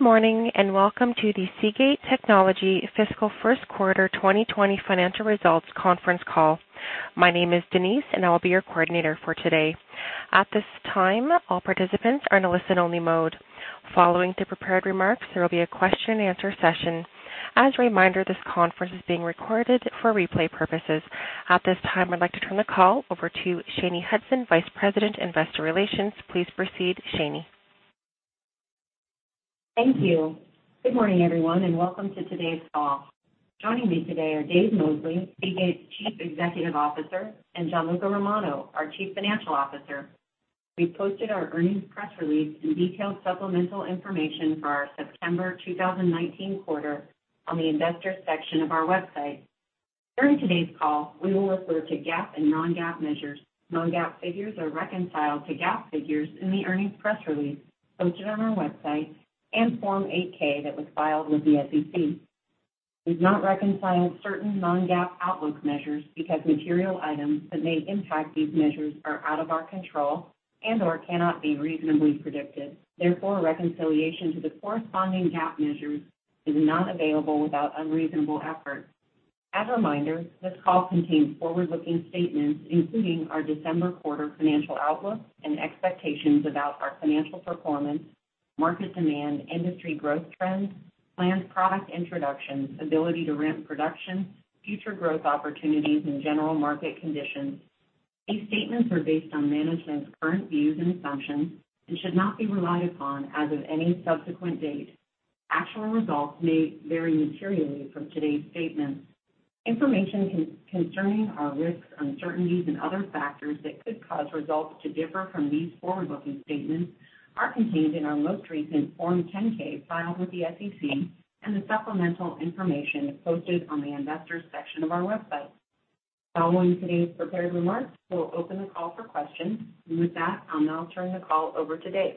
Good morning, and welcome to the Seagate Technology fiscal first quarter 2020 financial results conference call. My name is Denise, and I will be your coordinator for today. At this time, all participants are in a listen-only mode. Following the prepared remarks, there will be a question and answer session. As a reminder, this conference is being recorded for replay purposes. At this time, I'd like to turn the call over to Shanye Hudson, Vice President, Investor Relations. Please proceed, Shanye. Thank you. Good morning, everyone, and welcome to today's call. Joining me today are Dave Mosley, Seagate's Chief Executive Officer, and Gianluca Romano, our Chief Financial Officer. We posted our earnings press release and detailed supplemental information for our September 2019 quarter on the investors section of our website. During today's call, we will refer to GAAP and non-GAAP measures. Non-GAAP figures are reconciled to GAAP figures in the earnings press release posted on our website and Form 8-K that was filed with the SEC. We've not reconciled certain non-GAAP outlook measures because material items that may impact these measures are out of our control and/or cannot be reasonably predicted. Therefore, reconciliation to the corresponding GAAP measures is not available without unreasonable effort. As a reminder, this call contains forward-looking statements, including our December quarter financial outlook and expectations about our financial performance, market demand, industry growth trends, planned product introductions, ability to ramp production, future growth opportunities and general market conditions. These statements are based on management's current views and assumptions and should not be relied upon as of any subsequent date. Actual results may vary materially from today's statements. Information concerning our risks, uncertainties, and other factors that could cause results to differ from these forward-looking statements are contained in our most recent Form 10-K filed with the SEC and the supplemental information posted on the investors section of our website. Following today's prepared remarks, we'll open the call for questions. With that, I'll now turn the call over to Dave.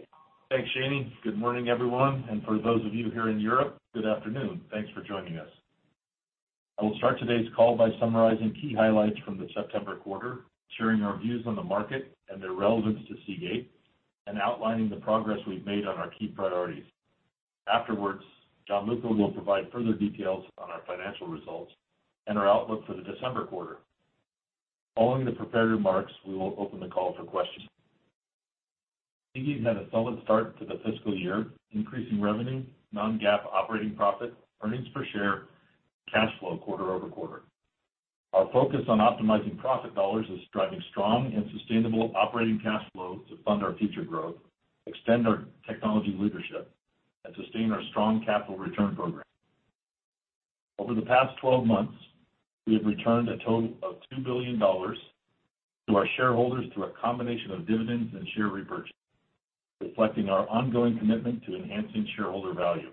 Thanks, Shanye. Good morning, everyone, and for those of you here in Europe, good afternoon. Thanks for joining us. I will start today's call by summarizing key highlights from the September quarter, sharing our views on the market and their relevance to Seagate, and outlining the progress we've made on our key priorities. Afterwards, Gianluca will provide further details on our financial results and our outlook for the December quarter. Following the prepared remarks, we will open the call for questions. Seagate's had a solid start to the fiscal year, increasing revenue, non-GAAP operating profit, earnings per share, cash flow quarter-over-quarter. Our focus on optimizing profit dollars is driving strong and sustainable operating cash flow to fund our future growth, extend our technology leadership, and sustain our strong capital return program. Over the past 12 months, we have returned a total of $2 billion to our shareholders through a combination of dividends and share repurchase, reflecting our ongoing commitment to enhancing shareholder value.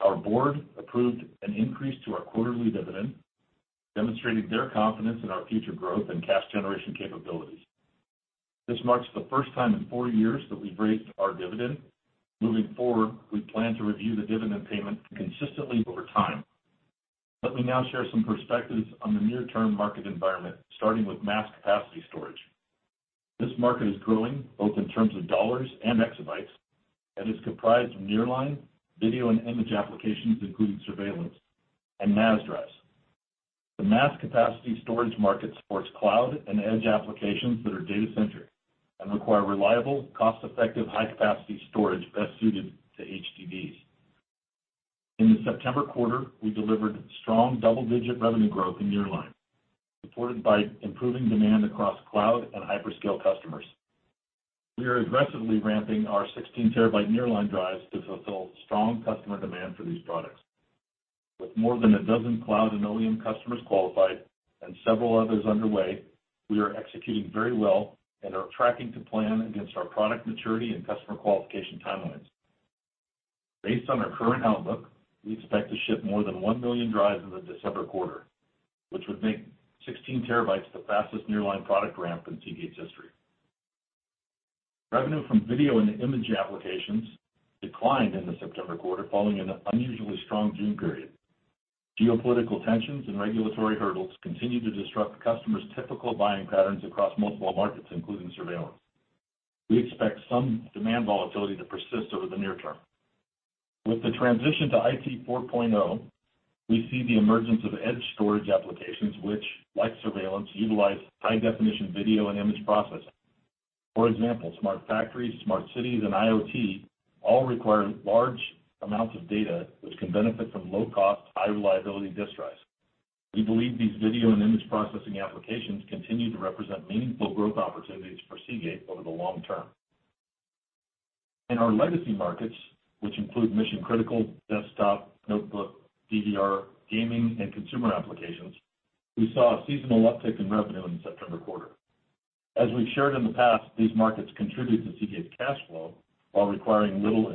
Our board approved an increase to our quarterly dividend, demonstrating their confidence in our future growth and cash generation capabilities. This marks the first time in four years that we've raised our dividend. Moving forward, we plan to review the dividend payment consistently over time. Let me now share some perspectives on the near-term market environment, starting with mass capacity storage. This market is growing both in terms of dollars and exabytes, and is comprised of nearline, video and image applications, including surveillance, and NAS drives. The mass capacity storage market supports cloud and edge applications that are data-centric and require reliable, cost-effective, high-capacity storage best suited to HDDs. In the September quarter, we delivered strong double-digit revenue growth in nearline, supported by improving demand across cloud and hyperscale customers. We are aggressively ramping our 16-terabyte nearline drives to fulfill strong customer demand for these products. With more than a dozen cloud and OEM customers qualified and several others underway, we are executing very well and are tracking to plan against our product maturity and customer qualification timelines. Based on our current outlook, we expect to ship more than 1 million drives in the December quarter, which would make 16 terabytes the fastest nearline product ramp in Seagate's history. Revenue from video and image applications declined in the September quarter, following an unusually strong June period. Geopolitical tensions and regulatory hurdles continue to disrupt customers' typical buying patterns across multiple markets, including surveillance. We expect some demand volatility to persist over the near term. With the transition to Industry 4.0, we see the emergence of edge storage applications which, like surveillance, utilize high-definition video and image processing. For example, smart factories, smart cities, and IoT all require large amounts of data which can benefit from low-cost, high-reliability disk drives. We believe these video and image processing applications continue to represent meaningful growth opportunities for Seagate over the long term. In our legacy markets, which include mission-critical, desktop, notebook, DVR, gaming, and consumer applications, we saw a seasonal uptick in revenue in the September quarter. As we've shared in the past, these markets contribute to Seagate's cash flow while requiring little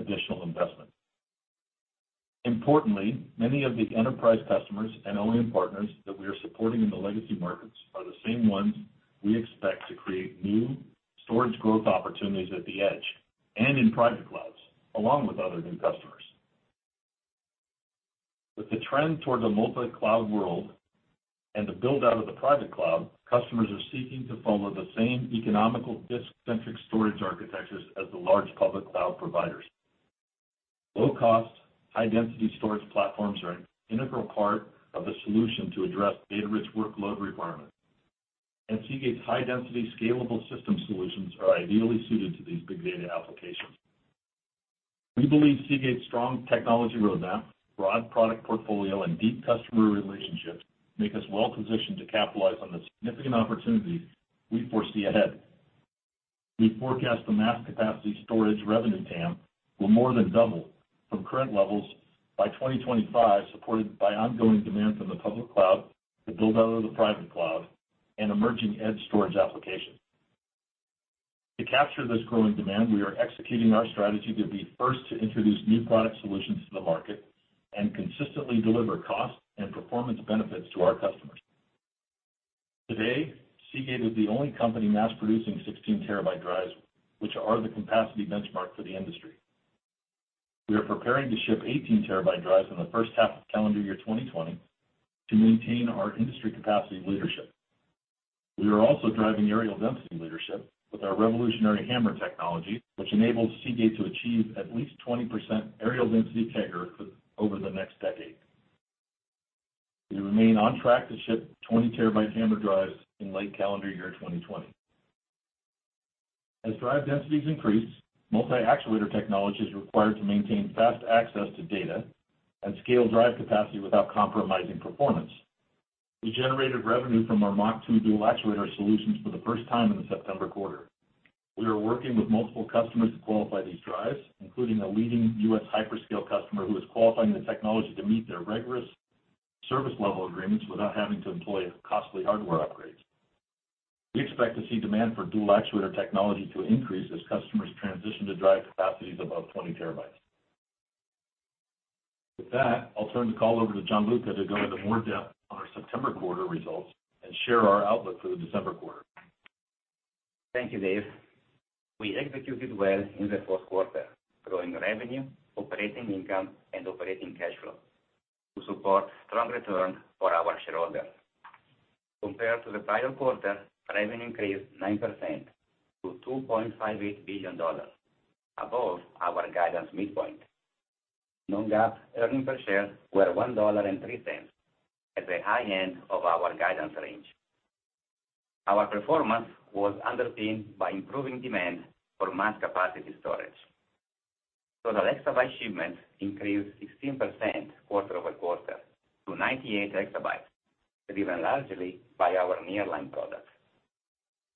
additional investment. Importantly, many of the enterprise customers and OEM partners that we are supporting in the legacy markets are the same ones we expect to create new storage growth opportunities at the edge and in private clouds, along with other new customers. With the trend toward the multi-cloud world and the build-out of the private cloud, customers are seeking to follow the same economical disk-centric storage architectures as the large public cloud providers. Low-cost, high-density storage platforms are an integral part of the solution to address data-rich workload requirements, and Seagate's high-density scalable system solutions are ideally suited to these big data applications. We believe Seagate's strong technology roadmap, broad product portfolio, and deep customer relationships make us well-positioned to capitalize on the significant opportunities we foresee ahead. We forecast the mass capacity storage revenue TAM will more than double from current levels by 2025, supported by ongoing demand from the public cloud, the build-out of the private cloud, and emerging edge storage applications. To capture this growing demand, we are executing our strategy to be first to introduce new product solutions to the market and consistently deliver cost and performance benefits to our customers. Today, Seagate is the only company mass producing 16-terabyte drives, which are the capacity benchmark for the industry. We are preparing to ship 18-terabyte drives in the first half of calendar year 2020 to maintain our industry capacity leadership. We are also driving areal density leadership with our revolutionary HAMR technology, which enables Seagate to achieve at least 20% areal density CAGR over the next decade. We remain on track to ship 20-terabyte HAMR drives in late calendar year 2020. As drive densities increase, multi-actuator technology is required to maintain fast access to data and scale drive capacity without compromising performance. We generated revenue from our MACH.2 dual actuator solutions for the first time in the September quarter. We are working with multiple customers to qualify these drives, including a leading U.S. hyperscale customer who is qualifying the technology to meet their rigorous service level agreements without having to employ costly hardware upgrades. We expect to see demand for dual actuator technology to increase as customers transition to drive capacities above 20 terabytes. With that, I'll turn the call over to Gianluca to go into more depth on our September quarter results and share our outlook for the December quarter. Thank you, Dave. We executed well in the fourth quarter, growing revenue, operating income, and operating cash flow to support strong return for our shareholders. Compared to the prior quarter, revenue increased 9% to $2.58 billion, above our guidance midpoint. Non-GAAP earnings per share were $1.03 at the high end of our guidance range. Our performance was underpinned by improving demand for mass capacity storage. Total exabyte shipments increased 16% quarter-over-quarter to 98 exabytes, driven largely by our nearline products.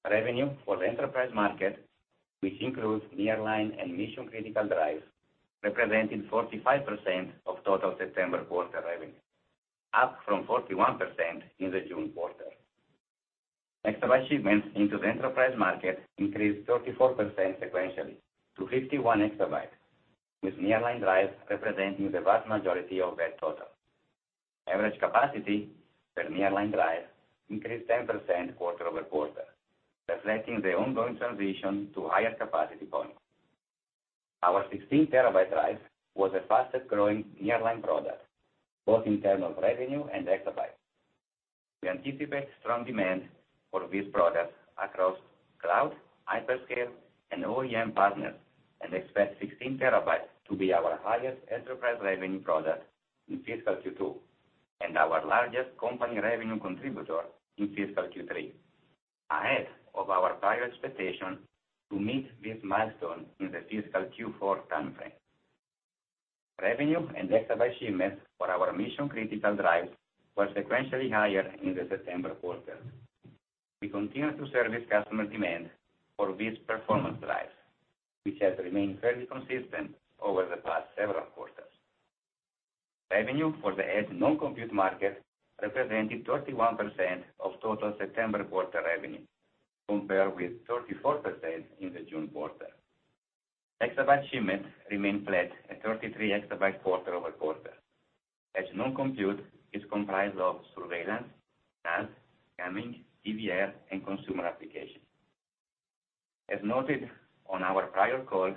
Revenue for the enterprise market, which includes nearline and mission-critical drives, represented 45% of total September quarter revenue, up from 41% in the June quarter. Exabyte shipments into the enterprise market increased 34% sequentially to 51 exabytes, with nearline drives representing the vast majority of that total. Average capacity for nearline drives increased 10% quarter-over-quarter, reflecting the ongoing transition to higher capacity points. Our 16-terabyte drive was the fastest-growing nearline product, both in terms of revenue and exabytes. We anticipate strong demand for this product across cloud, hyperscale, and OEM partners and expect 16 terabytes to be our highest enterprise revenue product in fiscal Q2 and our largest company revenue contributor in fiscal Q3, ahead of our prior expectation to meet this milestone in the fiscal Q4 time frame. Revenue and exabyte shipments for our mission-critical drives were sequentially higher in the September quarter. We continue to service customer demand for these performance drives, which has remained fairly consistent over the past several quarters. Revenue for the edge non-compute market represented 31% of total September quarter revenue, compared with 34% in the June quarter. Exabyte shipments remained flat at 33 exabytes quarter-over-quarter, as non-compute is comprised of surveillance, NAS, gaming, DVR, and consumer applications. As noted on our prior call,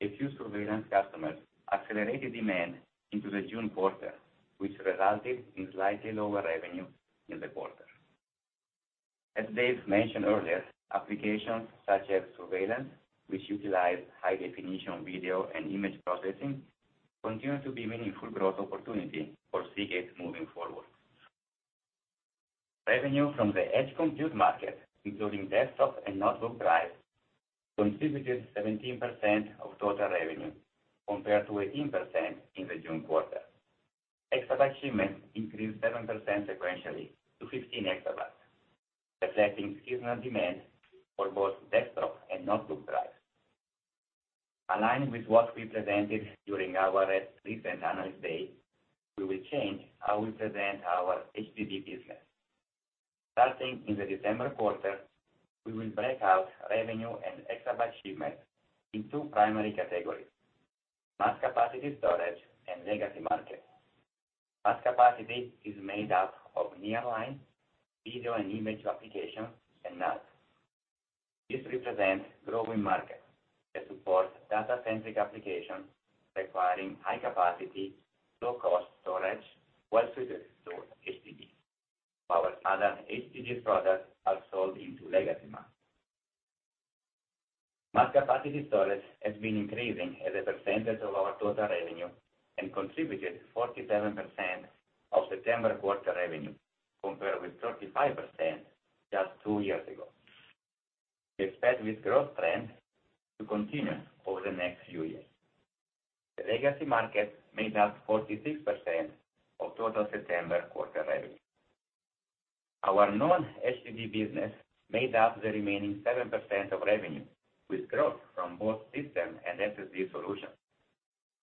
a few surveillance customers accelerated demand into the June quarter, which resulted in slightly lower revenue in the quarter. As Dave mentioned earlier, applications such as surveillance, which utilize high-definition video and image processing, continue to be a meaningful growth opportunity for Seagate moving forward. Revenue from the edge compute market, including desktop and notebook drives, contributed 17% of total revenue, compared to 18% in the June quarter. Exabyte shipments increased 7% sequentially to 15 exabytes, reflecting seasonal demand for both desktop and notebook drives. Aligned with what we presented during our recent Analyst Day, we will change how we present our HDD business. Starting in the December quarter, we will break out revenue and exabyte shipments in 2 primary categories: mass capacity storage and legacy markets. Mass capacity is made up of nearline, video and image applications, and NAS. This represents growing markets that support data-centric applications requiring high-capacity, low-cost storage well-suited to HDDs. Our other HDD products are sold into legacy markets. Mass capacity storage has been increasing as a percentage of our total revenue and contributed 47% of September quarter revenue, compared with 35% just two years ago. We expect this growth trend to continue over the next few years. The legacy market made up 46% of total September quarter revenue. Our non-HDD business made up the remaining 7% of revenue, with growth from both system and SSD solutions,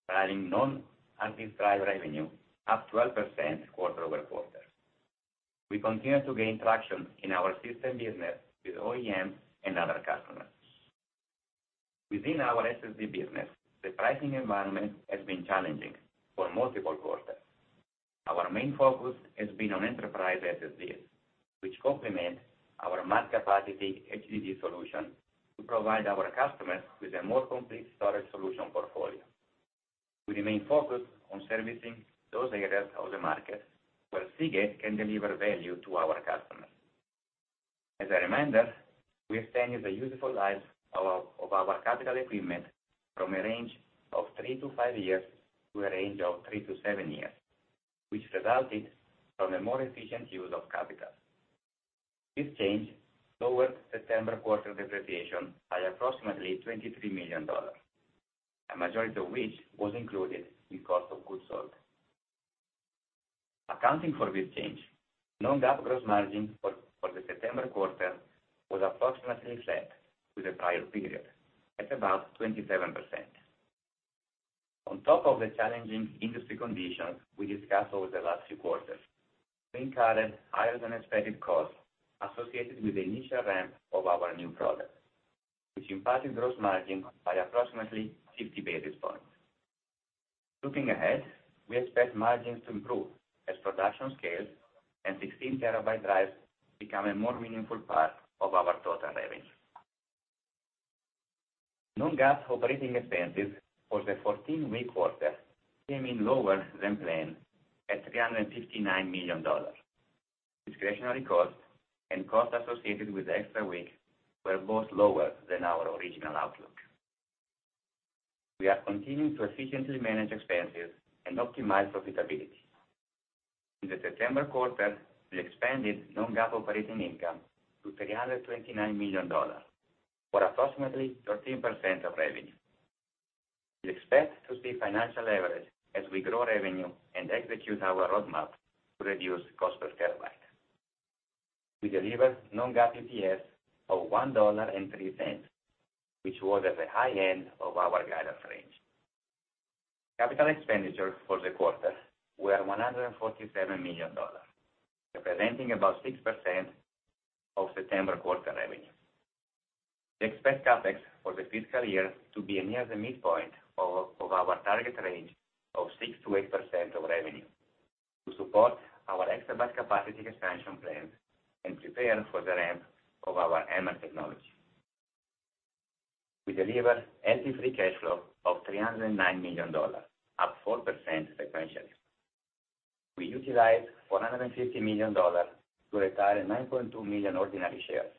driving non-HD drive revenue up 12% quarter-over-quarter. We continue to gain traction in our system business with OEMs and other customers. Within our SSD business, the pricing environment has been challenging for multiple quarters. Our main focus has been on enterprise SSDs, which complement our mass capacity HDD solution to provide our customers with a more complete storage solution portfolio. We remain focused on servicing those areas of the market where Seagate can deliver value to our customers. As a reminder, we extended the useful lives of our capital equipment from a range of 3-5 years to a range of 3-7 years, which resulted from a more efficient use of capital. This change lowered September quarter depreciation by approximately $23 million, a majority of which was included in cost of goods sold. Accounting for this change, non-GAAP gross margin for the September quarter was approximately flat with the prior period at about 27%. On top of the challenging industry conditions we discussed over the last few quarters, we incurred higher than expected costs associated with the initial ramp of our new products, which impacted gross margin by approximately 50 basis points. Looking ahead, we expect margins to improve as production scales and 16-terabyte drives become a more meaningful part of our total revenue. Non-GAAP operating expenses for the 14-week quarter came in lower than planned at $359 million. Discretionary costs and costs associated with the extra week were both lower than our original outlook. We are continuing to efficiently manage expenses and optimize profitability. In the September quarter, we expanded non-GAAP operating income to $329 million, or approximately 13% of revenue. We expect to see financial leverage as we grow revenue and execute our roadmap to reduce cost per terabyte. We delivered non-GAAP EPS of $1.03, which was at the high end of our guidance range. Capital expenditures for the quarter were $147 million, representing about 6% of September quarter revenue. We expect CapEx for the fiscal year to be near the midpoint of our target range of 6%-8% of revenue to support our exabyte capacity expansion plans and prepare for the ramp of our HAMR technology. We delivered Free cash flow of $309 million, up 4% sequentially. We utilized $450 million to retire 9.2 million ordinary shares,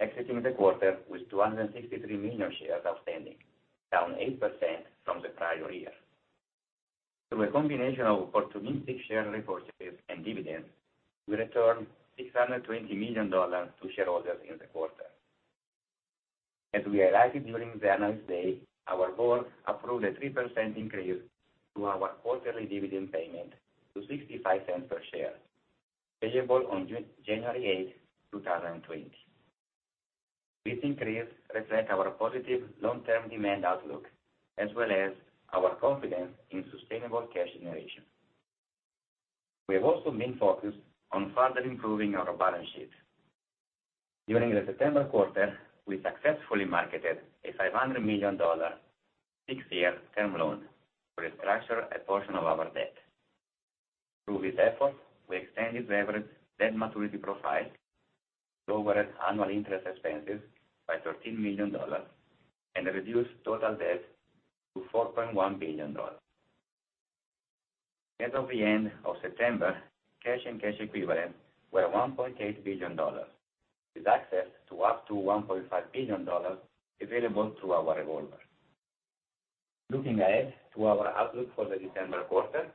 exiting the quarter with 263 million shares outstanding, down 8% from the prior year. Through a combination of opportunistic share repurchases and dividends, we returned $620 million to shareholders in the quarter. As we highlighted during the Analyst Day, our board approved a 3% increase to our quarterly dividend payment to $0.65 per share, payable on January 8th, 2020. This increase reflects our positive long-term demand outlook, as well as our confidence in sustainable cash generation. We have also been focused on further improving our balance sheet. During the September quarter, we successfully marketed a $500 million six-year term loan to restructure a portion of our debt. Through this effort, we extended the average debt maturity profile, lowered annual interest expenses by $13 million, and reduced total debt to $4.1 billion. As of the end of September, cash and cash equivalents were $1.8 billion, with access to up to $1.5 billion available through our revolver. Looking ahead to our outlook for the December quarter,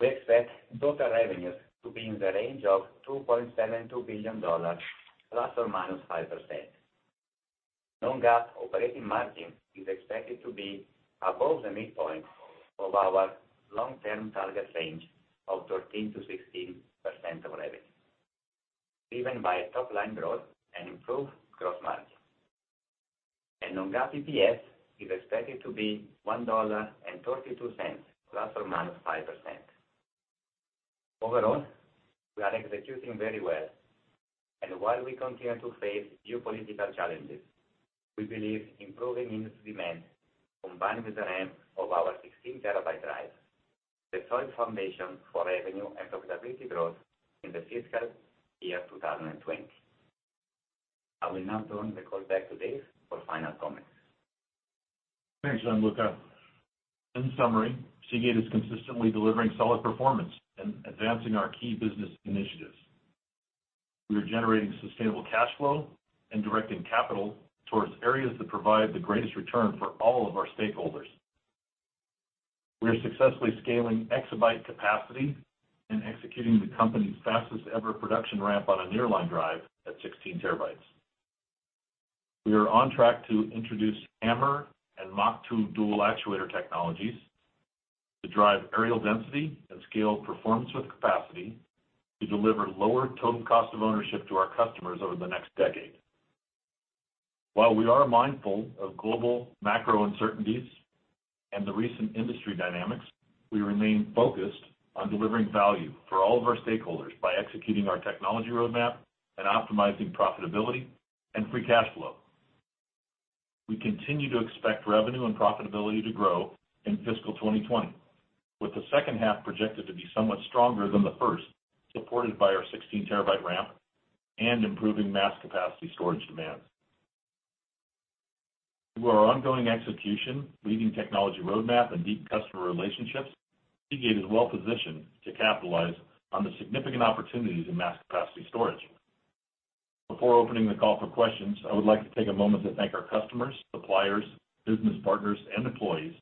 we expect total revenues to be in the range of $2.72 billion, ±5%. Non-GAAP operating margin is expected to be above the midpoint of our long-term target range of 13%-16% of revenue, driven by top-line growth and improved gross margin. Non-GAAP EPS is expected to be $1.32 ±5%. Overall, we are executing very well. While we continue to face geopolitical challenges, we believe improving industry demand, combined with the ramp of our 16-terabyte drives. The solid foundation for revenue and profitability growth in the fiscal year 2020. I will now turn the call back to Dave for final comments. Thanks, Gianluca. In summary, Seagate is consistently delivering solid performance and advancing our key business initiatives. We are generating sustainable cash flow and directing capital towards areas that provide the greatest return for all of our stakeholders. We are successfully scaling exabyte capacity and executing the company's fastest-ever production ramp on a nearline drive at 16 terabytes. We are on track to introduce HAMR and MACH.2 dual actuator technologies to drive areal density and scale performance with capacity to deliver lower total cost of ownership to our customers over the next decade. While we are mindful of global macro uncertainties and the recent industry dynamics, we remain focused on delivering value for all of our stakeholders by executing our technology roadmap and optimizing profitability and free cash flow. We continue to expect revenue and profitability to grow in fiscal 2020, with the second half projected to be somewhat stronger than the first, supported by our 16-terabyte ramp and improving mass capacity storage demand. Through our ongoing execution, leading technology roadmap, and deep customer relationships, Seagate is well-positioned to capitalize on the significant opportunities in mass capacity storage. Before opening the call for questions, I would like to take a moment to thank our customers, suppliers, business partners, and employees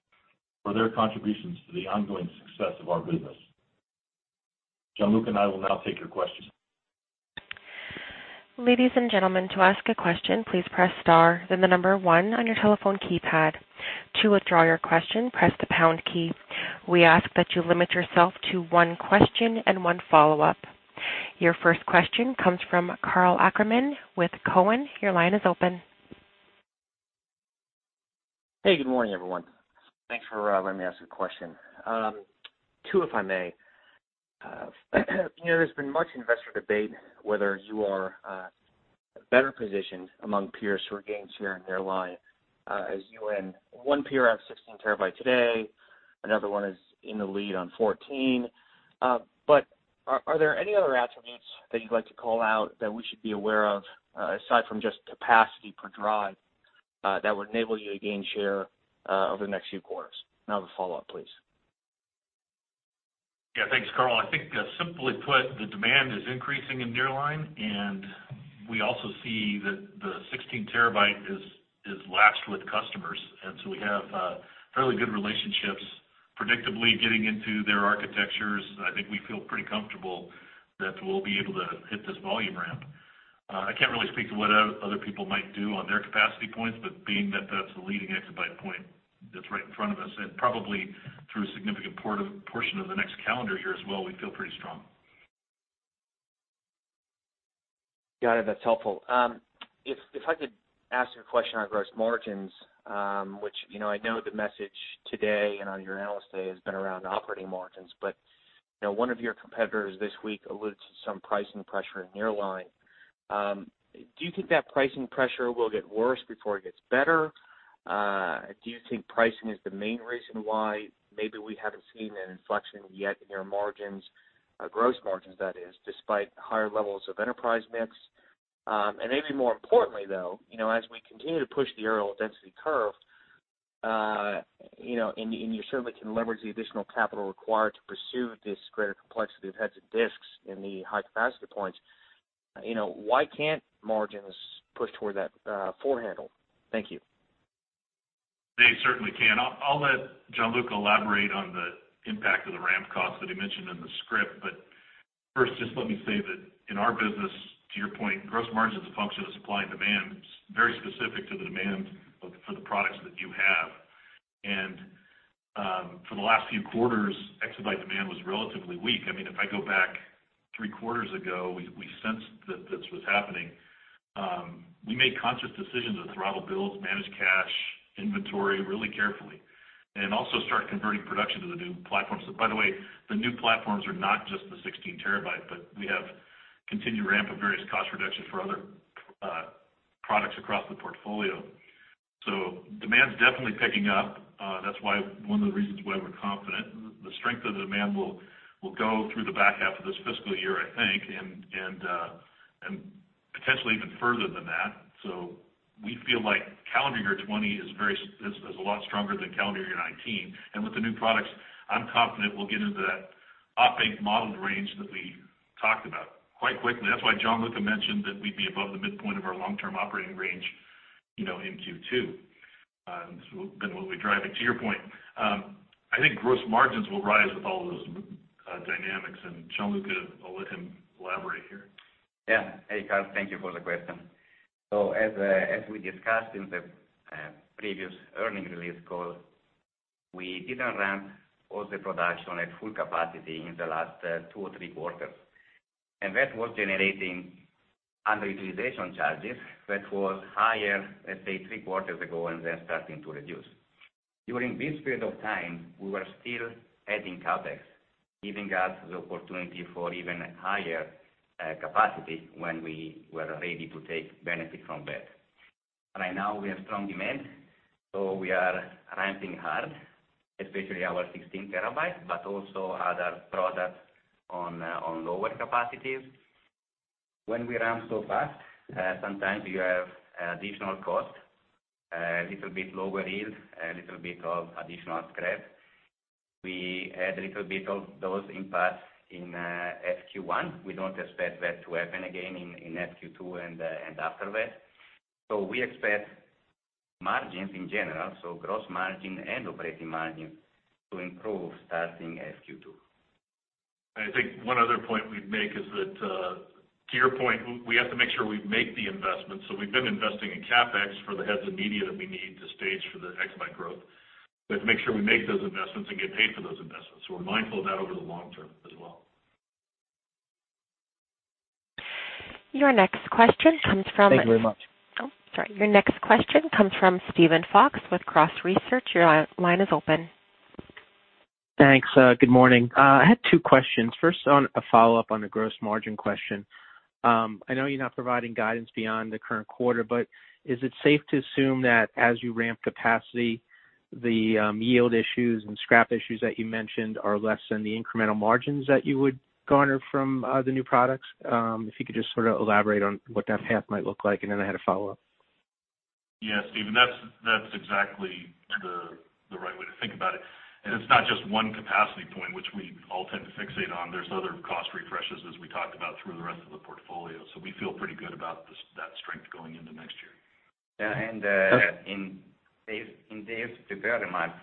for their contributions to the ongoing success of our business. Gianluca and I will now take your questions. Ladies and gentlemen, to ask a question, please press star, then the number one on your telephone keypad. To withdraw your question, press the pound key. We ask that you limit yourself to one question and one follow-up. Your first question comes from Karl Ackerman with Cowen. Your line is open. Hey, good morning, everyone. Thanks for letting me ask a question. Two, if I may. There's been much investor debate whether you are better positioned among peers who are gaining share in nearline. As you and one peer have 16 terabytes today, another one is in the lead on 14. Are there any other attributes that you'd like to call out that we should be aware of, aside from just capacity per drive, that would enable you to gain share over the next few quarters? Now the follow-up, please. Thanks, Karl. I think simply put, the demand is increasing in nearline. We also see that the 16 terabyte is aligned with customers. We have fairly good relationships predictably getting into their architectures. I think we feel pretty comfortable that we'll be able to hit this volume ramp. I can't really speak to what other people might do on their capacity points, being that that's the leading exabyte point that's right in front of us and probably through a significant portion of the next calendar year as well, we feel pretty strong. Got it. That's helpful. If I could ask you a question on gross margins, which I know the message today and on your Analyst Day has been around operating margins. One of your competitors this week alludes to some pricing pressure in nearline. Do you think that pricing pressure will get worse before it gets better? Do you think pricing is the main reason why maybe we haven't seen an inflection yet in your margins, gross margins that is, despite higher levels of enterprise mix? Maybe more importantly, though, as we continue to push the areal density curve, and you certainly can leverage the additional capital required to pursue this greater complexity of heads and disks in the high-capacity points, why can't margins push toward that four handle? Thank you. They certainly can. I'll let Gianluca elaborate on the impact of the ramp cost that he mentioned in the script. First, just let me say that in our business, to your point, gross margins function as supply and demand, very specific to the demand for the products that you have. For the last few quarters, exabyte demand was relatively weak. If I go back three quarters ago, we sensed that this was happening. We made conscious decisions to throttle builds, manage cash, inventory really carefully, and also start converting production to the new platforms. By the way, the new platforms are not just the 16 terabyte, but we have continued ramp of various cost reductions for other products across the portfolio. Demand is definitely picking up. That's one of the reasons why we're confident. The strength of the demand will go through the back half of this fiscal year, I think, and potentially even further than that. We feel like calendar year 2020 is a lot stronger than calendar year 2019. With the new products, I'm confident we'll get into that operating margin modeled range that we talked about quite quickly. That's why Gianluca mentioned that we'd be above the midpoint of our long-term operating range in Q2, and then we'll be driving. To your point, I think gross margins will rise with all those dynamics, and Gianluca, I'll let him elaborate here. Yeah. Hey, Karl. Thank you for the question. As we discussed in the previous earnings release call, we didn't ramp all the production at full capacity in the last two or three quarters, and that was generating underutilization charges that was higher, let's say, three quarters ago, and then starting to reduce. During this period of time, we were still adding CapEx, giving us the opportunity for even higher capacity when we were ready to take benefit from that. Right now we have strong demand, so we are ramping hard, especially our 16 terabytes, but also other products on lower capacities. When we ramp so fast, sometimes you have additional cost, a little bit lower yield, a little bit of additional scrap. We had a little bit of those impacts in Q1. We don't expect that to happen again in Q2 and afterward. We expect margins in general, so gross margin and operating margin, to improve starting SQ2. I think one other point we'd make is that, to your point, we have to make sure we make the investment. We've been investing in CapEx for the heads and media that we need to stage for the exabyte growth. We have to make sure we make those investments and get paid for those investments. We're mindful of that over the long term as well. Your next question comes from. Thank you very much. Oh, sorry. Your next question comes from Steven Fox with Cross Research. Your line is open. Thanks. Good morning. I had two questions. First, on a follow-up on the gross margin question. I know you're not providing guidance beyond the current quarter, but is it safe to assume that as you ramp capacity, the yield issues and scrap issues that you mentioned are less than the incremental margins that you would garner from the new products? If you could just sort of elaborate on what that path might look like, and then I had a follow-up. Yeah, Steven, that's exactly the right way to think about it. It's not just one capacity point, which we all tend to fixate on. There's other cost refreshes as we talked about through the rest of the portfolio. We feel pretty good about that strength going into next year. In Dave's prepared remarks,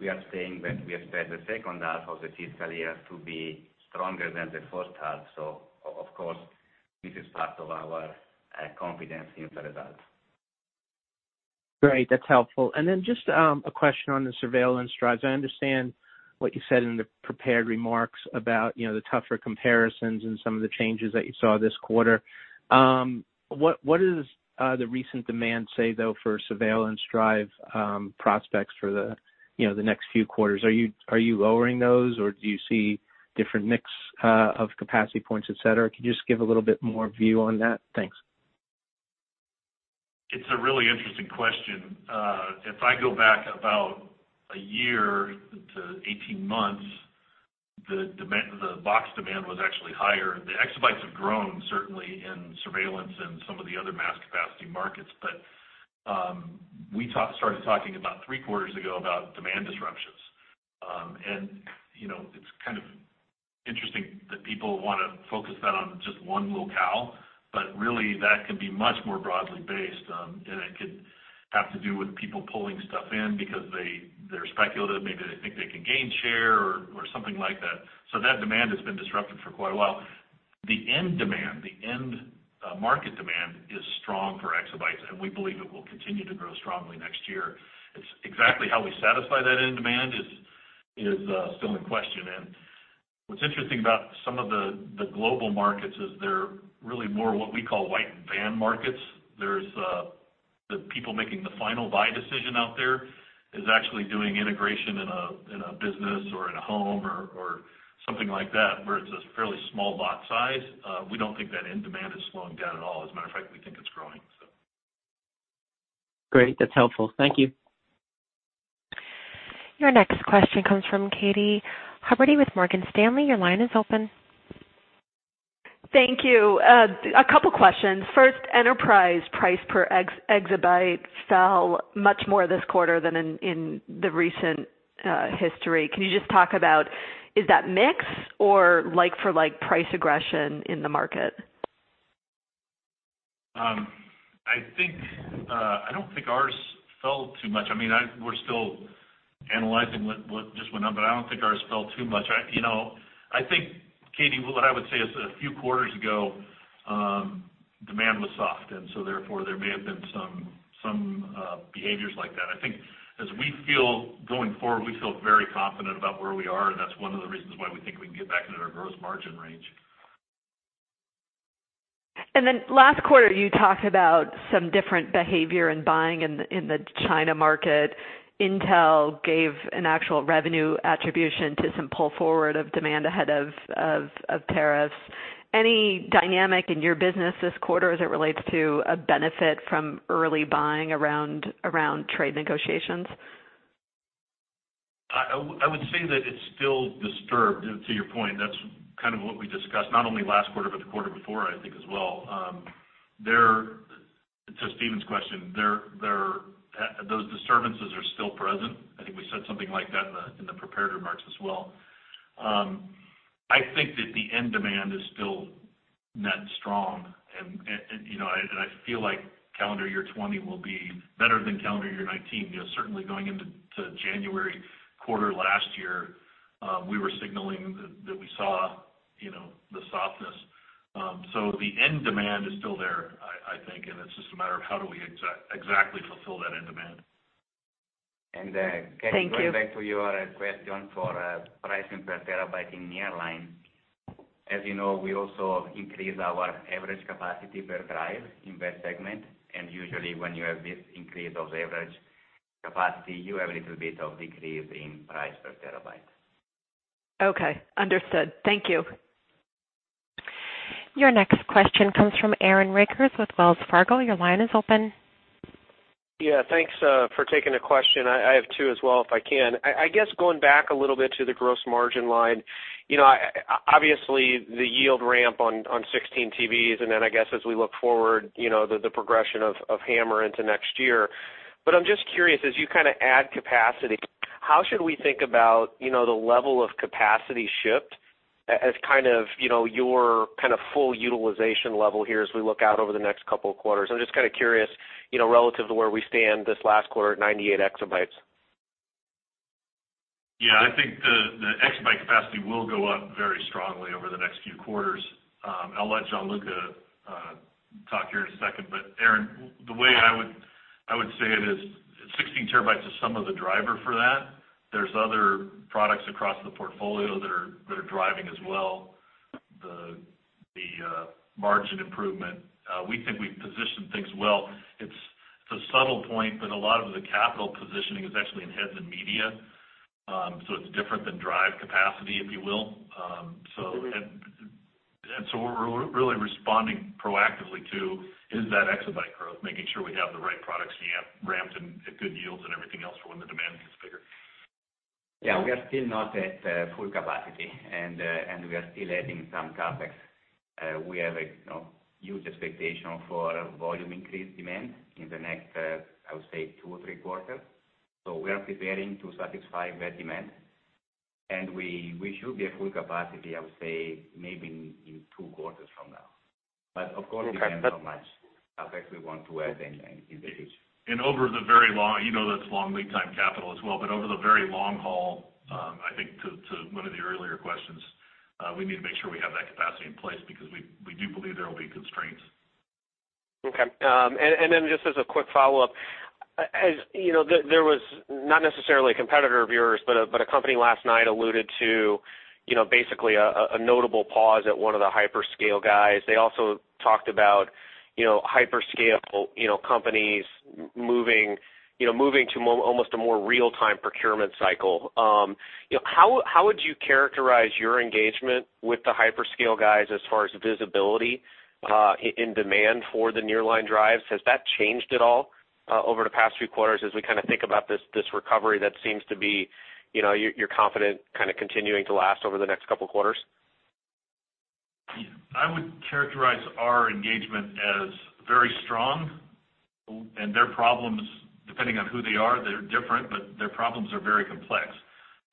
we are saying that we expect the second half of the fiscal year to be stronger than the first half. Of course, this is part of our confidence in the results. Great. That's helpful. Just a question on the surveillance drives. I understand what you said in the prepared remarks about the tougher comparisons and some of the changes that you saw this quarter. What does the recent demand say, though, for surveillance drive prospects for the next few quarters? Are you lowering those, or do you see different mix of capacity points, et cetera? Could you just give a little bit more view on that? Thanks. It's a really interesting question. If I go back about a year to 18 months, the box demand was actually higher. The exabytes have grown, certainly in surveillance and some of the other mass capacity markets. We started talking about three quarters ago about demand disruptions. It's kind of interesting that people want to focus that on just one locale, but really that can be much more broadly based. It could have to do with people pulling stuff in because they're speculative. Maybe they think they can gain share or something like that. That demand has been disrupted for quite a while. The end demand, the end market demand is strong for exabytes, and we believe it will continue to grow strongly next year. It's exactly how we satisfy that end demand is still in question. What's interesting about some of the global markets is they're really more what we call white box markets. The people making the final buy decision out there is actually doing integration in a business or in a home or something like that, where it's a fairly small lot size. We don't think that end demand is slowing down at all. As a matter of fact, we think it's growing. Great. That's helpful. Thank you. Your next question comes from Katy Huberty with Morgan Stanley. Your line is open. Thank you. A couple questions. First, enterprise price per exabyte fell much more this quarter than in the recent history. Can you just talk about, is that mix or like-for-like price aggression in the market? I don't think ours fell too much. We're still analyzing what just went on. I don't think ours fell too much. I think, Katy, what I would say is a few quarters ago, demand was soft. Therefore there may have been some behaviors like that. I think as we feel going forward, we feel very confident about where we are. That's one of the reasons why we think we can get back into our gross margin range. Last quarter, you talked about some different behavior in buying in the China market. Intel gave an actual revenue attribution to some pull forward of demand ahead of tariffs. Any dynamic in your business this quarter as it relates to a benefit from early buying around trade negotiations? I would say that it's still disturbed, to your point. That's kind of what we discussed not only last quarter, but the quarter before, I think as well. To Steven's question, those disturbances are still present. I think we said something like that in the prepared remarks as well. I think that the end demand is still net strong. I feel like calendar year 2020 will be better than calendar year 2019. Certainly going into January quarter last year, we were signaling that we saw the softness. The end demand is still there, I think. It's just a matter of how do we exactly fulfill that end demand. Thank you. Going back to your question for pricing per terabyte in nearline. You know, we also increase our average capacity per drive in that segment. Usually when you have this increase of average capacity, you have a little bit of decrease in price per terabyte. Okay. Understood. Thank you. Your next question comes from Aaron Rakers with Wells Fargo. Your line is open. Yeah. Thanks for taking the question. I have two as well, if I can. I guess going back a little bit to the gross margin line, obviously the yield ramp on 16 TBs, and then I guess as we look forward, the progression of HAMR into next year. I'm just curious, as you add capacity, how should we think about the level of capacity shipped as your full utilization level here as we look out over the next couple of quarters? I'm just curious, relative to where we stand this last quarter at 98 exabytes. Yeah, I think the exabyte capacity will go up very strongly over the next few quarters. I'll let Gianluca talk here in a second, but Aaron, the way I would say it is 16 terabytes is some of the driver for that. There's other products across the portfolio that are driving as well, the margin improvement. We think we've positioned things well. It's a subtle point, but a lot of the capital positioning is actually in heads and media. It's different than drive capacity, if you will. What we're really responding proactively to is that exabyte growth, making sure we have the right products, and you have ramps and good yields and everything else for when the demand gets bigger. Yeah. We are still not at full capacity, and we are still adding some CapEx. We have a huge expectation for volume increase demand in the next, I would say two or three quarters. We are preparing to satisfy that demand, and we should be at full capacity, I would say maybe in two quarters from now. Of course, depends how much CapEx we want to add in the future. You know that's long lead time capital as well, but over the very long haul, I think to one of the earlier questions, we need to make sure we have that capacity in place because we do believe there will be constraints. Okay. Just as a quick follow-up, there was not necessarily a competitor of yours, but a company last night alluded to basically a notable pause at one of the hyperscale guys. They also talked about hyperscale companies moving to almost a more real-time procurement cycle. How would you characterize your engagement with the hyperscale guys as far as visibility in demand for the Nearline drives? Has that changed at all over the past few quarters as we think about this recovery that seems to be, you're confident continuing to last over the next couple of quarters? I would characterize our engagement as very strong and their problems, depending on who they are, they're different, but their problems are very complex.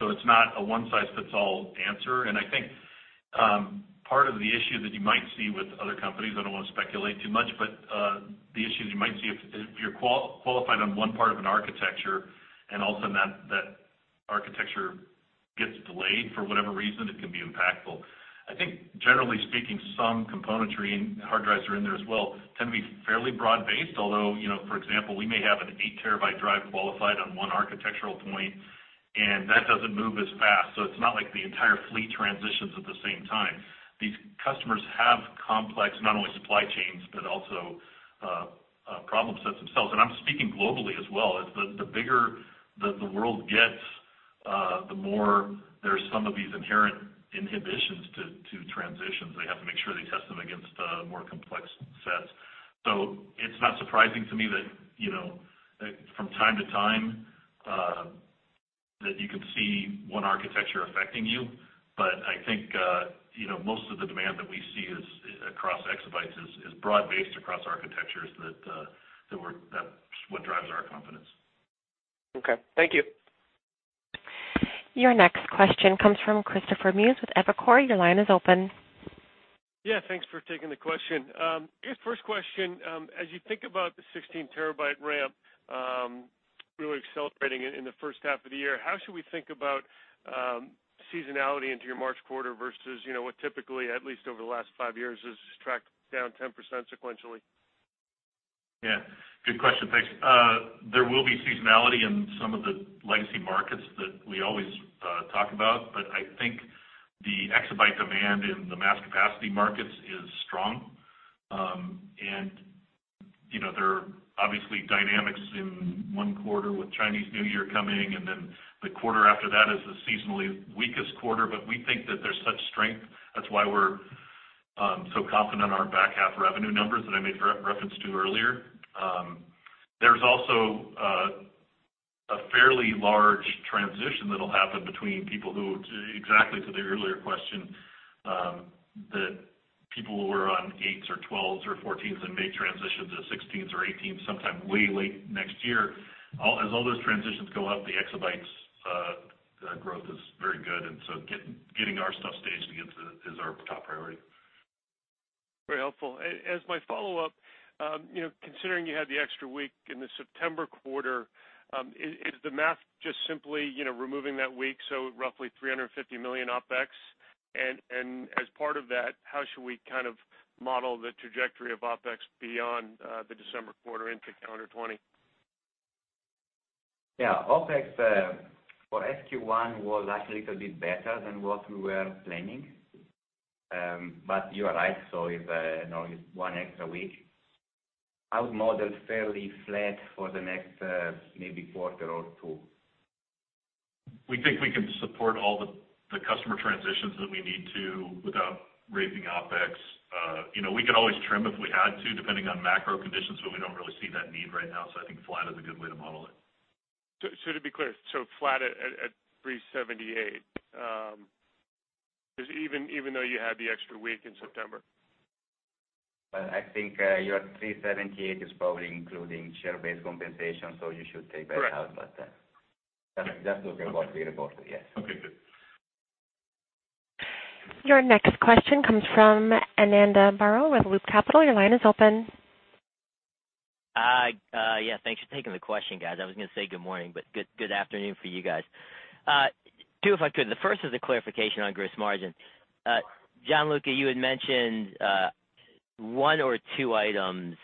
It's not a one-size-fits-all answer, and I think part of the issue that you might see with other companies, I don't want to speculate too much, but the issues you might see if you're qualified on one part of an architecture and all of sudden that architecture gets delayed for whatever reason, it can be impactful. I think generally speaking, some componentry and hard drives are in there as well, tend to be fairly broad-based. Although, for example, we may have an eight terabyte drive qualified on one architectural point, and that doesn't move as fast. It's not like the entire fleet transitions at the same time. These customers have complex, not only supply chains, but also problem sets themselves. I'm speaking globally as well. As the bigger the world gets, the more there's some of these inherent inhibitions to transitions. They have to make sure they test them against more complex sets. It's not surprising to me that from time to time, that you can see one architecture affecting you. I think most of the demand that we see across exabytes is broad-based across architectures. That's what drives our confidence. Okay. Thank you. Your next question comes from Christopher Muse with Evercore. Your line is open. Yeah, thanks for taking the question. I guess first question, as you think about the 16 terabyte ramp really accelerating in the first half of the year, how should we think about seasonality into your March quarter versus what typically, at least over the last five years, has tracked down 10% sequentially? Yeah. Good question. Thanks. There will be seasonality in some of the legacy markets that we always talk about. I think the exabyte demand in the mass capacity markets is strong. There are obviously dynamics in 1 quarter with Chinese New Year coming, and then the quarter after that is the seasonally weakest quarter. We think that there's such strength, that's why we're so confident in our back half revenue numbers that I made reference to earlier. There's also a fairly large transition that'll happen between people who, exactly to the earlier question, that people who are on 8s or 12s or 14s and may transition to 16s or 18s sometime way late next year. As all those transitions go up, the exabytes growth is very good. Getting our stuff staged against it is our top priority. Very helpful. As my follow-up, considering you had the extra week in the September quarter, is the math just simply removing that week, so roughly $350 million OpEx? As part of that, how should we model the trajectory of OpEx beyond the December quarter into 2020? Yeah. OpEx for SQ1 was actually a little bit better than what we were planning. You are right, if one extra week, I would model fairly flat for the next maybe quarter or two. We think we can support all the customer transitions that we need to without raising OpEx. We can always trim if we had to, depending on macro conditions. I think flat is a good way to model it. To be clear, so flat at $378. Even though you had the extra week in September? Well, I think your $378 is probably including share-based compensation, so you should take that out. Correct. Just looking what we reported. Yes. Okay, good. Your next question comes from Ananda Baruah with Loop Capital. Your line is open. Yeah. Thanks for taking the question, guys. I was going to say good morning, but good afternoon for you guys. Two, if I could. The first is a clarification on gross margin. Gianluca, you had mentioned one or two items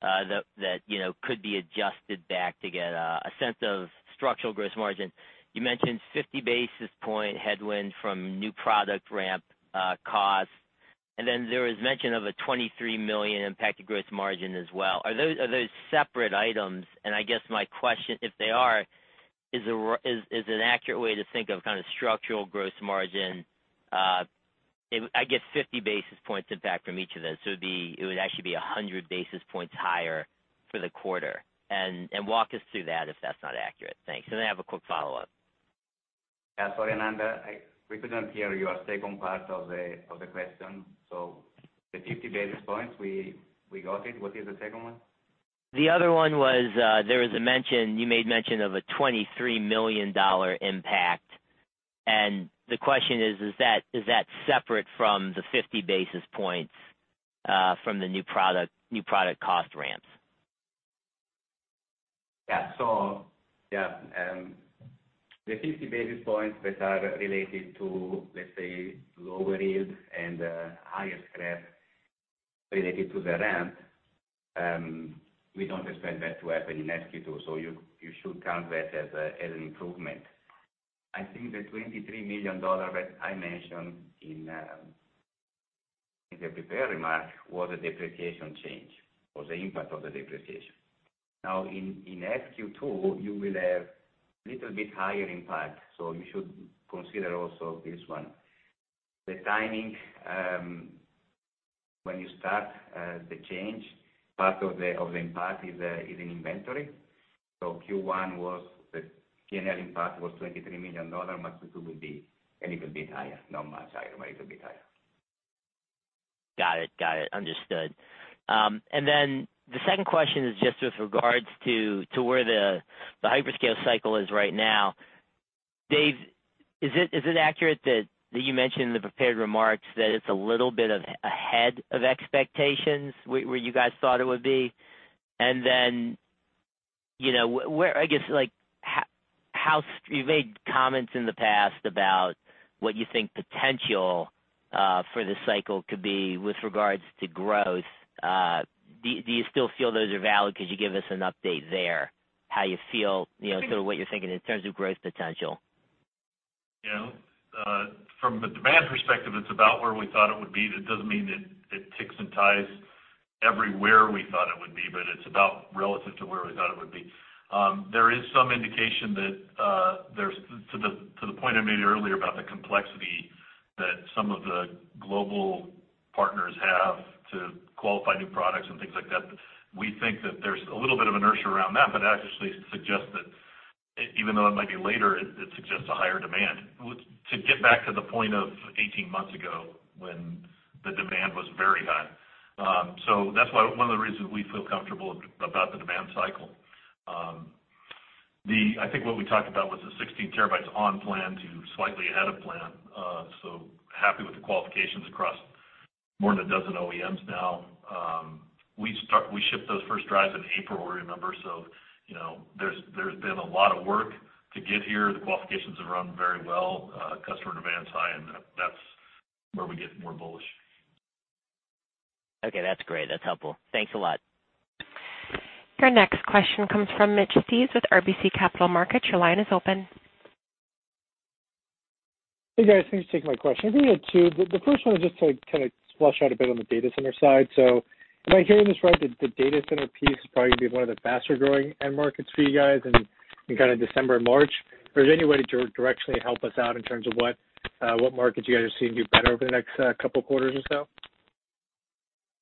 that could be adjusted back to get a sense of structural gross margin. You mentioned 50 basis points headwind from new product ramp costs, then there was mention of a $23 million impact to gross margin as well. Are those separate items? I guess my question, if they are, is an accurate way to think of kind of structural gross margin, I guess 50 basis points impact from each of those. It would actually be 100 basis points higher for the quarter. Walk us through that if that's not accurate. Thanks. Then I have a quick follow-up. Yeah. Sorry, Ananda, we couldn't hear your second part of the question. The 50 basis points, we got it. What is the second one? The other one was, you made mention of a $23 million impact. The question is that separate from the 50 basis points from the new product cost ramps? Yeah. The 50 basis points that are related to, let's say, lower yield and higher stress related to the ramp, we don't expect that to happen in SQ2. You should count that as an improvement. I think the $23 million that I mentioned in the prepared remarks was a depreciation change or the impact of the depreciation. In SQ2, you will have little bit higher impact, so you should consider also this one. The timing, when you start the change, part of the impact is in inventory. Q1, the P&L impact was $23 million, but it will be a little bit higher. Not much higher, but a little bit higher. Got it. Understood. The second question is just with regards to where the hyperscale cycle is right now. Dave, is it accurate that you mentioned in the prepared remarks that it's a little bit ahead of expectations where you guys thought it would be? You've made comments in the past about what you think potential for the cycle could be with regards to growth. Do you still feel those are valid? Could you give us an update there, how you feel, sort of what you're thinking in terms of growth potential? From the demand perspective, it's about where we thought it would be. That doesn't mean that it ticks and ties everywhere we thought it would be, but it's about relative to where we thought it would be. There is some indication that, to the point I made earlier about the complexity that some of the global partners have to qualify new products and things like that, we think that there's a little bit of inertia around that, but that actually suggests that even though it might be later, it suggests a higher demand to get back to the point of 18 months ago when the demand was very high. That's one of the reasons we feel comfortable about the demand cycle. I think what we talked about was the 16 terabytes on plan to slightly ahead of plan. Happy with the qualifications across more than a dozen OEMs now. We shipped those first drives in April, remember, so there's been a lot of work to get here. The qualifications have run very well. Customer demand is high, and that's where we get more bullish. Okay. That's great. That's helpful. Thanks a lot. Your next question comes from Mitch Steves with RBC Capital Markets. Your line is open. Hey, guys. Thanks for taking my question. I really had two, the first one was just to kind of flush out a bit on the data center side. Am I hearing this right? The data center piece is probably going to be one of the faster-growing end markets for you guys in kind of December and March, or is there any way to directionally help us out in terms of what markets you guys are seeing do better over the next couple quarters or so?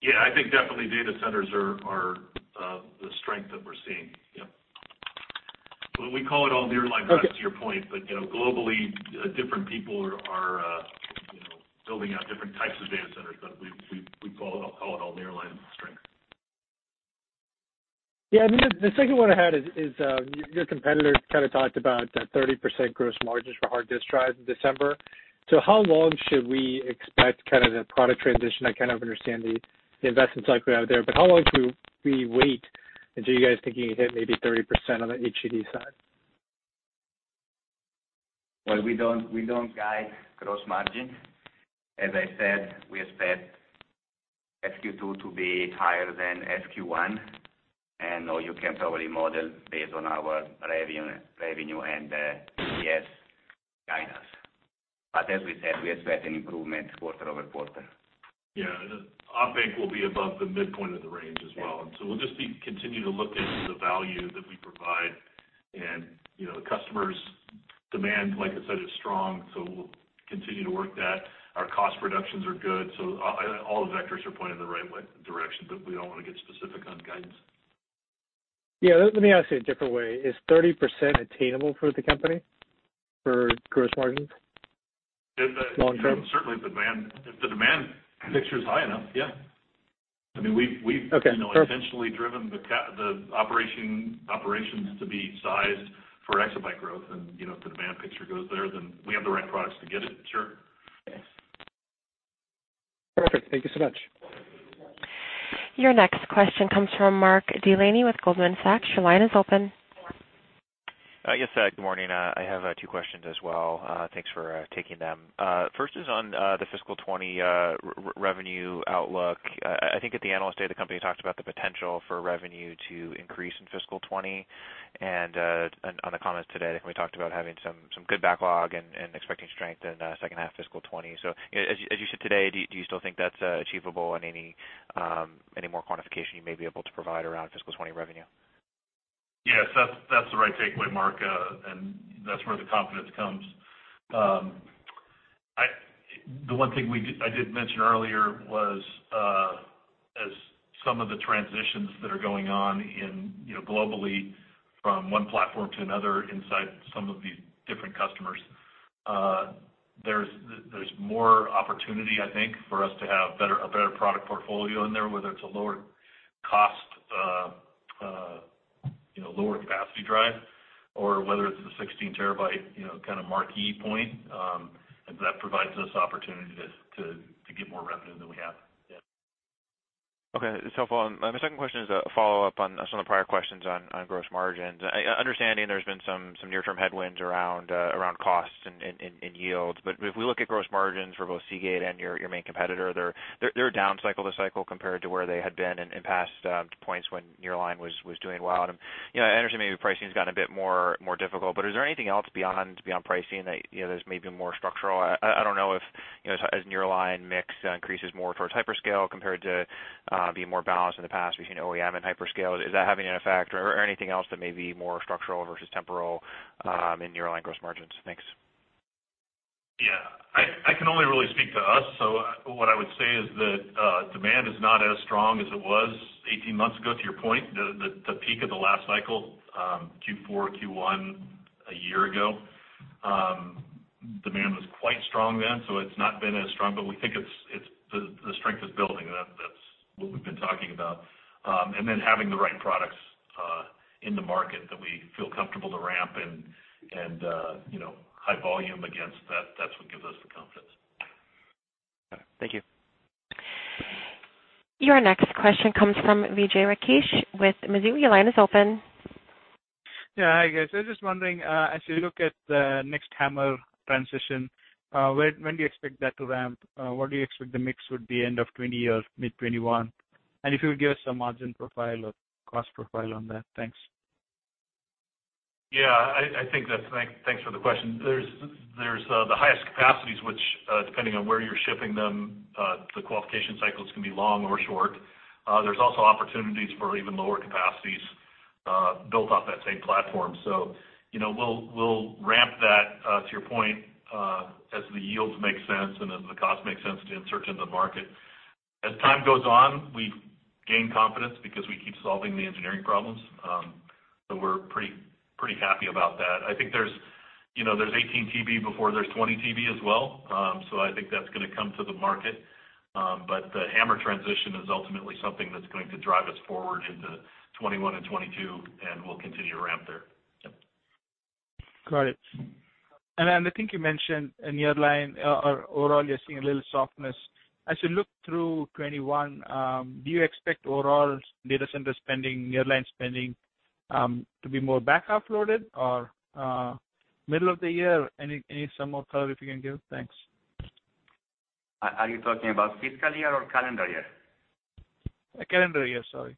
Yeah, I think definitely data centers are the strength that we're seeing. Yep. We call it all nearline, back to your point. Globally, different people are building out different types of data centers. We call it all nearline strength. The second one I had is, your competitor kind of talked about the 30% gross margins for hard disk drives in December. How long should we expect kind of the product transition? I kind of understand the investment cycle out there, but how long do we wait until you guys think you hit maybe 30% on the HDD side? Well, we don't guide gross margin. As I said, we expect SQ2 to be higher than SQ1. You can probably model based on our revenue and EPS. As we said, we expect an improvement quarter-over-quarter. Yeah. OPEX will be above the midpoint of the range as well. Yeah. We'll just continue to look at the value that we provide and the customers' demand, like I said, is strong, so we'll continue to work that. Our cost reductions are good, so all the vectors are pointed the right way, direction, but we don't want to get specific on guidance. Yeah. Let me ask it a different way. Is 30% attainable for the company for gross margins long term? Certainly, if the demand picture's high enough, yeah. Okay. Fair enough. We've intentionally driven the operations to be sized for exabyte growth and if the demand picture goes there, then we have the right products to get it. Sure. Okay. Perfect. Thank you so much. Your next question comes from Mark Delaney with Goldman Sachs. Your line is open. Yes. Good morning. I have two questions as well. Thanks for taking them. First is on the fiscal 2020 revenue outlook. I think at the Analyst Day, the company talked about the potential for revenue to increase in fiscal 2020, and on the comments today, I think we talked about having some good backlog and expecting strength in second half fiscal 2020. As you said today, do you still think that's achievable and any more quantification you may be able to provide around fiscal 2020 revenue? Yes. That's the right takeaway, Mark, and that's where the confidence comes. The one thing I did mention earlier was as some of the transitions that are going on globally from one platform to another inside some of these different customers, there's more opportunity, I think, for us to have a better product portfolio in there, whether it's a lower cost, lower capacity drive or whether it's the 16 terabyte marquee point, and that provides us opportunity to get more revenue than we have. Yeah. Okay. That's helpful. My second question is a follow-up on some of the prior questions on gross margins. Understanding there's been some near-term headwinds around costs and in yields, but if we look at gross margins for both Seagate and your main competitor, they're down cycle to cycle compared to where they had been in past points when Nearline was doing well. I understand maybe pricing's gotten a bit more difficult, but is there anything else beyond pricing that there's maybe more structural? I don't know if as Nearline mix increases more towards hyperscale compared to being more balanced in the past between OEM and hyperscale, is that having an effect or anything else that may be more structural versus temporal in Nearline gross margins? Thanks. Yeah. I can only really speak to us. What I would say is that demand is not as strong as it was 18 months ago, to your point. The peak of the last cycle, Q4, Q1 a year ago, demand was quite strong then, so it's not been as strong. We think the strength is building, and that's what we've been talking about. Having the right products in the market that we feel comfortable to ramp and high volume against, that's what gives us the confidence. Got it. Thank you. Your next question comes from Vijay Rakesh with Mizuho. Your line is open. Yeah. Hi, guys. I was just wondering, as you look at the next HAMR transition, when do you expect that to ramp? What do you expect the mix would be end of 2020 or mid 2021? If you would give us some margin profile or cost profile on that. Thanks. Yeah. Thanks for the question. There's the highest capacities, which, depending on where you're shipping them, the qualification cycles can be long or short. There's also opportunities for even lower capacities built off that same platform. We'll ramp that, to your point, as the yields make sense and as the cost makes sense to insert into the market. As time goes on, we gain confidence because we keep solving the engineering problems. We're pretty happy about that. I think there's 18 TB before there's 20 TB as well. I think that's going to come to the market. The HAMR transition is ultimately something that's going to drive us forward into 2021 and 2022, and we'll continue to ramp there. Yeah. Got it. I think you mentioned in Nearline or overall, you're seeing a little softness. As you look through 2021, do you expect overall data center spending, Nearline spending to be more back half loaded or middle of the year? Any some more color you can give? Thanks. Are you talking about fiscal year or calendar year? Calendar year, sorry.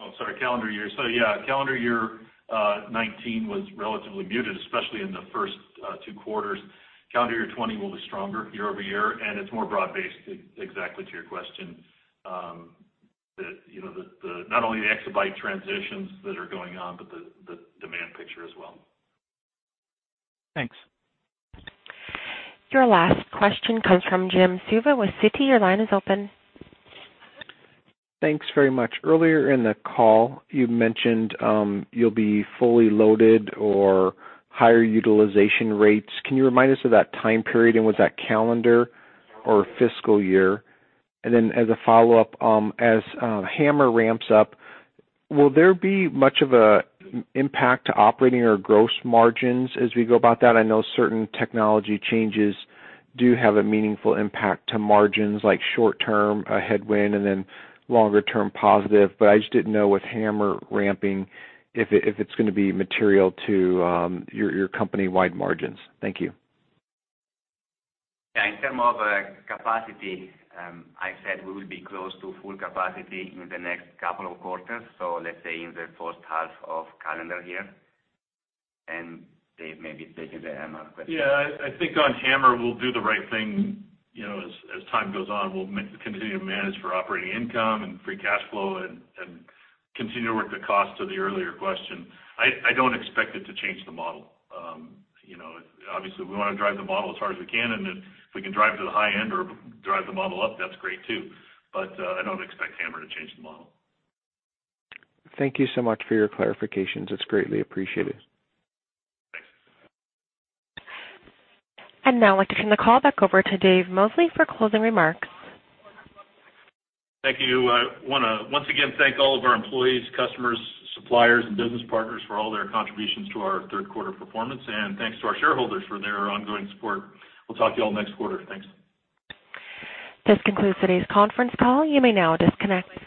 Oh, sorry, calendar year. Yeah, calendar year 2019 was relatively muted, especially in the first two quarters. Calendar year 2020 will be stronger year-over-year, it's more broad based, exactly to your question. Not only the exabyte transitions that are going on, but the demand picture as well. Thanks. Your last question comes from Jim Suva with Citi. Your line is open. Thanks very much. Earlier in the call, you mentioned you'll be fully loaded or higher utilization rates. Can you remind us of that time period? Was that calendar or fiscal year? As a follow-up, as HAMR ramps up, will there be much of an impact to operating or gross margins as we go about that? I know certain technology changes do have a meaningful impact to margins, like short term, a headwind, and then longer term positive, but I just didn't know with HAMR ramping if it's going to be material to your company-wide margins. Thank you. Yeah. In terms of capacity, I said we will be close to full capacity in the next couple of quarters, so let's say in the first half of calendar year. Dave, maybe take the HAMR question. Yeah. I think on HAMR, we'll do the right thing. As time goes on, we'll continue to manage for operating income and free cash flow and continue to work the cost to the earlier question. I don't expect it to change the model. Obviously, we want to drive the model as hard as we can, and if we can drive it to the high end or drive the model up, that's great too. I don't expect HAMR to change the model. Thank you so much for your clarifications. It's greatly appreciated. Thanks. I'd now like to turn the call back over to Dave Mosley for closing remarks. Thank you. I want to once again thank all of our employees, customers, suppliers, and business partners for all their contributions to our third quarter performance, and thanks to our shareholders for their ongoing support. We'll talk to you all next quarter. Thanks. This concludes today's conference call. You may now disconnect.